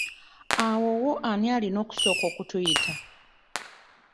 Awo wo ani alina okusooka okutuyita?